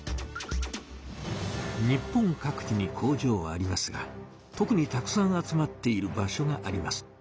日本各地に工場はありますが特にたくさん集まっている場所があります。